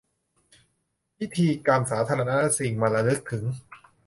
พิธีกรรมสาธารณะและสิ่งมันระลึกถึง